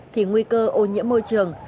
thì nguy cơ ô nhiễm môi trường